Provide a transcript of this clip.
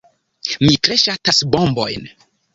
Mi tre ŝatas bombojn.